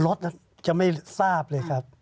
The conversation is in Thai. รถจะไม่ทราบเลยครับ